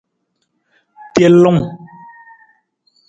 Telung.